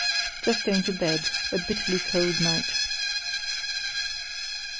Just going to bed; a bitterly cold night.